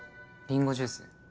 リンゴジュース。